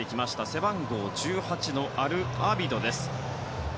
背番号１８のアルアビドです。